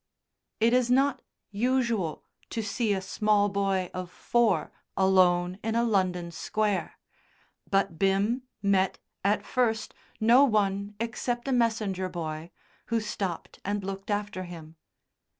It is not usual to see a small boy of four alone in a London square, but Bim met, at first, no one except a messenger boy, who stopped and looked after him.